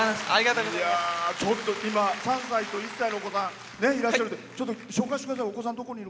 今、３歳と１歳のお子さんいらっしゃるって。紹介してください。